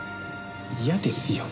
嫌ですよ。